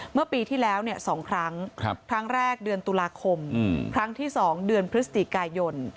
เมื่อปีที่แล้ว๒ครั้งครั้งแรกเดือนตุลาคมครั้งที่๒เดือนพฤศจิกายน